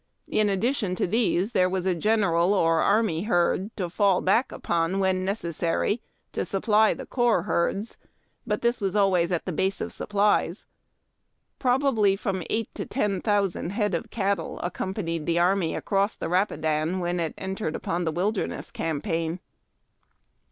In addition to these there was a general or army herd to fall back upon when necessary to supply the corps herds, but this was always at the base of supplies. Probably from eight to ten thousand head of cattle accompanied the army across the Rapidan, when it entered upon the Wilderness Campaign.